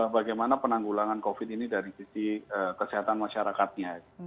bagaimana penanggulangan covid ini dari sisi kesehatan masyarakatnya